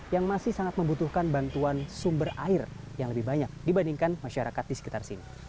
yang masih sangat membutuhkan bantuan sumber air yang lebih banyak dibandingkan masyarakat di sekitar sini